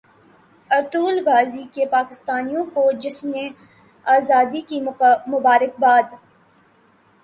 Ertugrul Ghazi کی پاکستانیوں کو جشن زادی کی مبارکباد